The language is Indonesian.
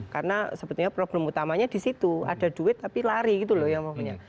karena sebetulnya problem utamanya di situ ada duit tapi lari gitu loh yang maksudnya